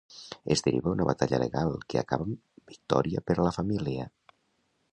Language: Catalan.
Es deriva una batalla legal que acaba amb victòria per a la família.